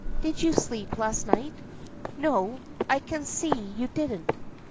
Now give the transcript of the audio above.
Did you sleep last night? No. I can see you didn't.